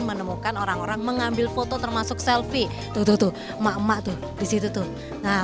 menemukan orang orang mengambil foto termasuk selfie tuh emak emak tuh disitu tuh nah